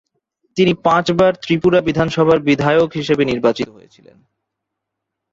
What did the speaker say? তিনি পাঁচবার ত্রিপুরা বিধানসভার বিধায়ক হিসেবে নির্বাচিত হয়েছিলেন।